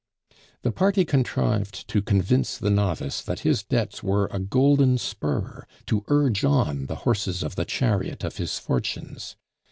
The party contrived to convince the novice that his debts were a golden spur to urge on the horses of the chariot of his fortunes.